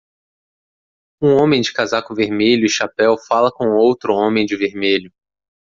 Um homem de casaco vermelho e chapéu fala com outro homem de vermelho.